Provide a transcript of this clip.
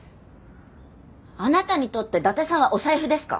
あなたにとって伊達さんはお財布ですか？